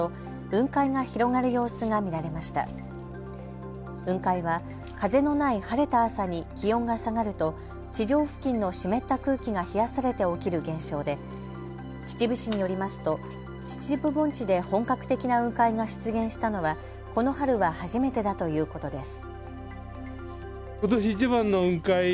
雲海は風のない晴れた朝に気温が下がると地上付近の湿った空気が冷やされて起きる現象で秩父市によりますと秩父盆地で本格的な雲海が出現したのは、この春は初めてだということです。